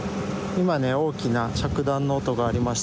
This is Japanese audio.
今ね大きな着弾の音がありました。